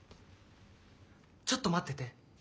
ちょっと待ってて。